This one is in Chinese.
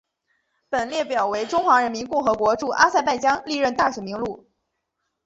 本列表为中华人民共和国驻阿塞拜疆历任大使名录。